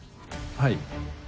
はい。